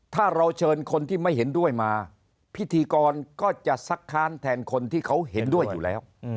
ถ้าเราเชิญคนที่ไม่เห็นด้วยมาพิธีกรก็จะซักค้านแทนคนที่เขาเห็นด้วยอยู่แล้ว